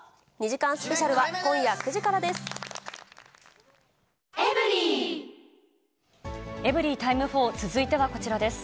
２時間スペシャルは今夜９時からです。